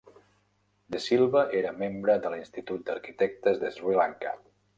De Silva era membre de l'Institut d'Arquitectes d'Sri Lanka.